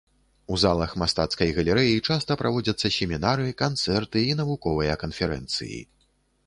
У залах мастацкай галерэі часта праводзяцца семінары, канцэрты і навуковыя канферэнцыі.